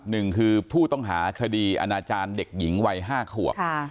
หนึ่งคือผู้ต้องหาคดีอาณาจารย์เด็กหญิงวัย๕ขวบ